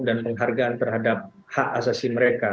penghargaan terhadap hak asasi mereka